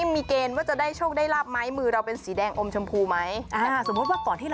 ไม่ใช่ไม่ใช่วิธีนี้